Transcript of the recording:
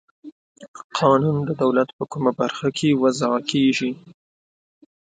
قانون د دولت په کومه برخه کې وضع کیږي؟